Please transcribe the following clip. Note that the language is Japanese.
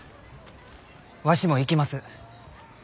わしも行きます。